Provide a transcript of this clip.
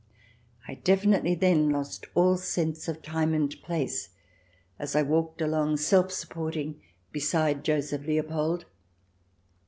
I definitely then lost all sense of time and place, as I walked along, self supporting, beside Joseph Leopold.